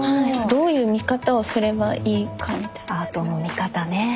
どういう見方をすればいいかみたいな。